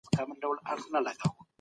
که پلان نه وي منابع ضايع کيږي.